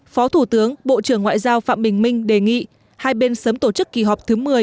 phó thủ tướng bộ trưởng ngoại giao phạm bình minh đề nghị hai bên sớm tổ chức kỳ họp thứ một mươi